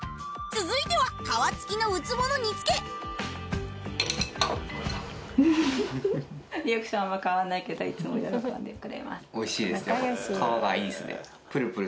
続いては皮付きのウツボの煮付けおいしいです